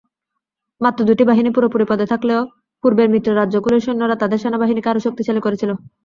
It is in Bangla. মাত্র দুটি বাহিনী পুরোপুরি পদে থাকলেও পূর্বের মিত্র রাজ্যগুলির সৈন্যরা তাদের সেনাবাহিনীকে আরও শক্তিশালী করেছিল।